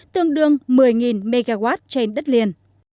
tương đương một mươi mw trên đất liền